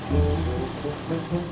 pak pape ikut